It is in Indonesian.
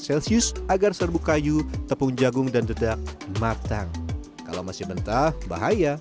celsius agar serbuk kayu tepung jagung dan dedak matang kalau masih mentah bahaya